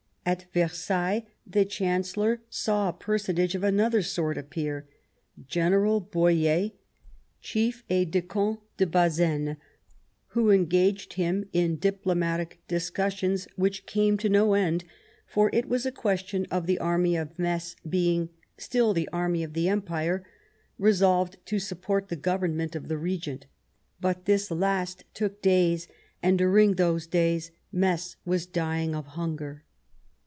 At Versailles the Chancellor saw a personage of another sort appear — General Boyer, Chief Aide de camp to Bazaine, who engaged him in diplomatic discussions which came to no end ; for it was a question of the^ Army of Metz being " still the Army of the Empire, resolved to support the Government of the Regent." But this took days, and during those days Metz was dying of hunger.